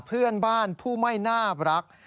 เพื่อนบ้านผู้ไม่น่ารัก